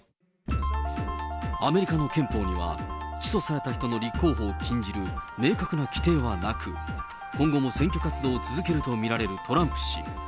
アメリカの憲法には、起訴された人の立候補を禁じる明確な規定はなく、今後も選挙活動を続けると見られるトランプ氏。